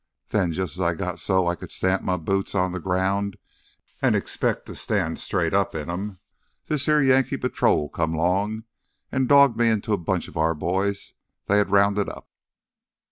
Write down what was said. Then, jus' as I got so I could stamp m' boots on th' ground an' expect to stand straight up in 'em, this here Yankee patrol came 'long an' dogged me right into a bunch o' our boys they had rounded up.